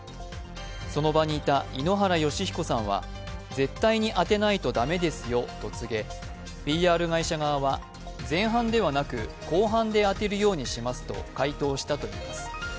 その場にいた井ノ原快彦さんは絶対に当てないと駄目ですよと告げＰＲ会社側は前半ではなく後半で当てるようにしますと回答したということです